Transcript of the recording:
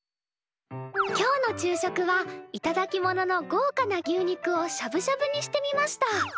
今日の昼食は頂き物のごうかな牛肉をしゃぶしゃぶにしてみました。